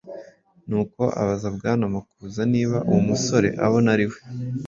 Nuko abaza Bwana Makuza niba uwo musore abona ari we